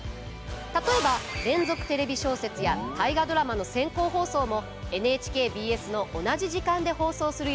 例えば「連続テレビ小説」や「大河ドラマ」の先行放送もＮＨＫＢＳの同じ時間で放送する予定です。